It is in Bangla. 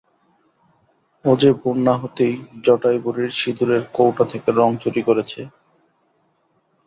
ও যে ভোর না হতেই জটাইবুড়ির সিঁদুরের কৌটো থেকে রঙ চুরি করেছে।